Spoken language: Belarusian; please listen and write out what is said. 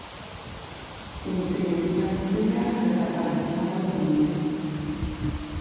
Інтэлігенцыя гэта павінна разумець.